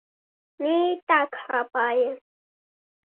Мне і так хапае.